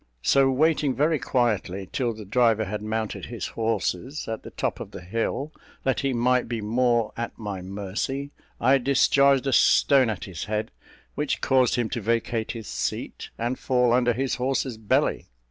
so waiting very quietly till the driver had mounted his horses, at the top of the hill, that he might be more at my mercy, I discharged a stone at his head which caused him to vacate his seat, and fall under his horse's belly.